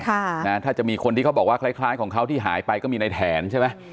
ถ้าจะมีคนที่เขาบอกว่าคล้ายคล้ายของเขาที่หายไปก็มีในแถนใช่ไหม